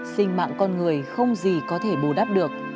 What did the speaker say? sinh mạng con người không gì có thể bù đắp được